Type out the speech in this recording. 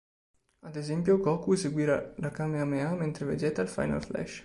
Ad esempio, Goku eseguirà la Kamehameha, mentre Vegeta il Final Flash.